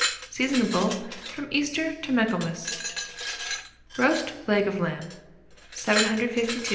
Seasonable from Easter to Michaelmas. ROAST LEG OF LAMB. 752. INGREDIENTS.